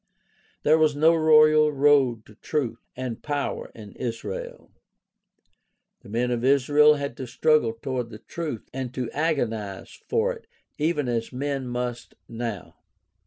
There was no royal road to truth and power in Israel. The men of Israel had to struggle toward the truth and to agonize for it even as men must now.